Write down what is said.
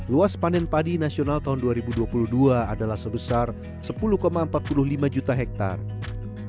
luas panen padi nasional tahun dua ribu dua puluh dua adalah sebesar sepuluh empat puluh lima juta hektare